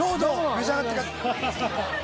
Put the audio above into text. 召し上がってください。